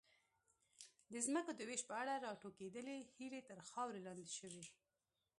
د ځمکو د وېش په اړه راټوکېدلې هیلې تر خاورې لاندې شوې.